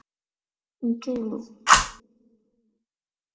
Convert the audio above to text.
Ntulu inamwingiya mu richo